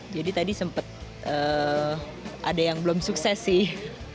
jadi tadi sempat ada yang belum sukses sih